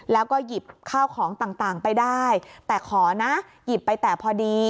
แล้วก็หยิบข้าวของต่างไปได้แต่ขอนะหยิบไปแต่พอดี